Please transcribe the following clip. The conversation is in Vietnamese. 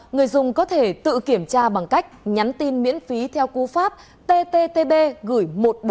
người dùng có thể kiểm tra bằng cách nhắn tin miễn phí theo cú pháp tttb gửi một nghìn bốn trăm một mươi bốn